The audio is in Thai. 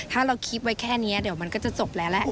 ถ้าเราคิดไว้แค่นี้เดี๋ยวมันก็จะจบแล้วแหละ